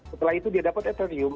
setelah itu dia dapat ethereum